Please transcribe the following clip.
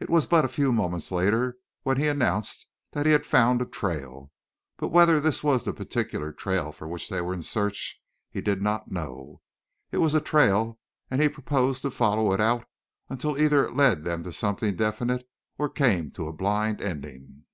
It was but a few moments later when he announced that he had found a trail, but whether this was the particular trail for which they were in search he did not know. It was a trail and he proposed to follow it out until either it led them to something definite or came to a blind ending.